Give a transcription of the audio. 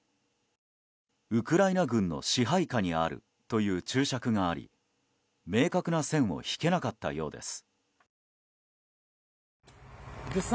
ウクライナ軍の支配下にあるという注釈があり明確な線を引けなかったようです。